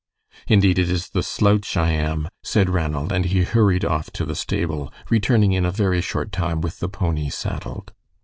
"Indeed, it is the slouch I am," said Ranald, and he hurried off to the stable, returning in a very short time with the pony saddled.